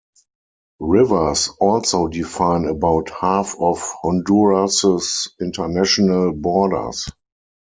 Rivers also define about half of Honduras's international borders.